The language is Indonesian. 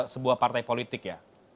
sebuah partai politik ya